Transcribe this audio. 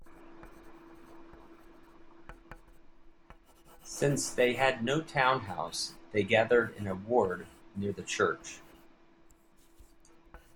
Since they had no Town House, they gathered in a ward near the church.